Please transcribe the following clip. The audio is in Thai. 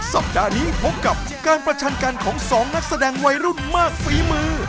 สัปดาห์นี้พบกับการประชันกันของสองนักแสดงวัยรุ่นมากฝีมือ